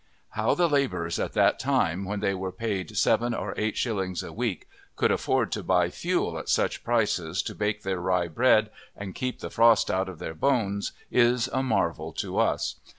How the labourers at that time, when they were paid seven or eight shillings a week, could afford to buy fuel at such prices to bake their rye bread and keep the frost out of their bones is a marvel to us.